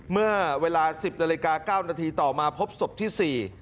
เมื่อเวลา๑๐นาฬิกา๙นาทีต่อมาพบศพที่๔